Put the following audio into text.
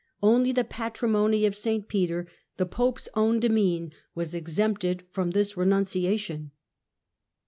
Only the Patrimony of St Peter, the Pope's own demesne, was excepted from the renunciation.